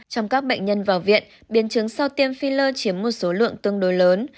trong các bệnh nhân vào viện biến chứng sau tiêm filler chiếm một số lượng tương đối lớn